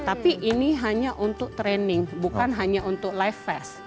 tapi ini hanya untuk training bukan hanya untuk life fast